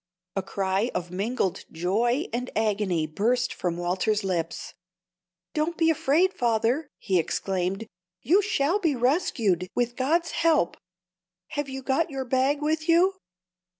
A cry of mingled joy and agony burst from Walter's lips. "Don't be afraid, father," he exclaimed. "You shall be rescued, with God's help. Have you got your bag with you?"